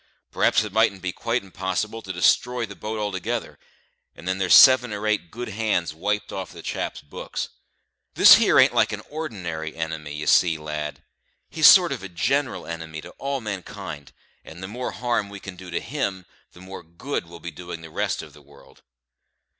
Perhaps it mightn't be quite onpossible to destr'y the boat altogether, and then there's seven or eight good hands wiped off the chap's books. This here ain't like a ordinary enemy, you see, lad he's a sort of general enemy to all mankind; and the more harm we can do to him, the more good we'll be doing the rest of the world."